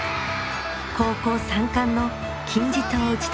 高校三冠の金字塔を打ち立てた。